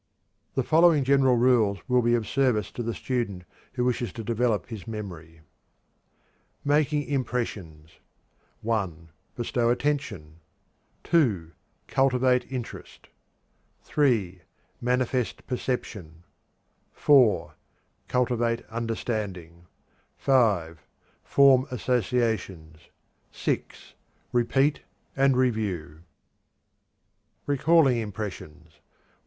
The following general rules will be of service to the student who wishes to develop his memory: Making Impressions. (1) Bestow attention. (2) Cultivate interest. (3) Manifest perception. (4) Cultivate understanding. (5) Form associations. (6) Repeat and review. _Recalling Impressions.